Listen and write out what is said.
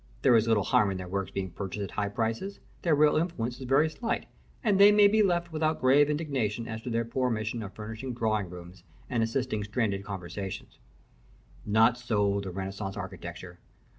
There is little harm in their works being purchased at high prices: their real influence is very slight, and they may be left without grave indignation to their poor mission of furnishing drawing rooms and assisting stranded conversation. Not so the Renaissance architecture.